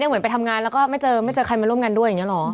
เหมือนไปทำงานแล้วก็ไม่เจอไม่เจอใครมาร่วมงานด้วยอย่างนี้หรอ